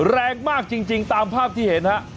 แรงมากจริงตามภาพที่เห็นฮะ